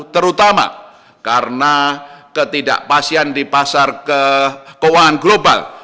terutama karena ketidakpastian di pasar keuangan global